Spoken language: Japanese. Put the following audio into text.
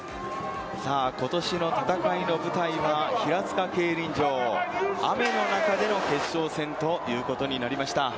今年の戦いの舞台は平塚競輪場、雨の中での決勝戦ということになりました。